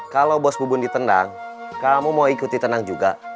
kalau bos bu bun ditendang kamu mau ikut ditendang juga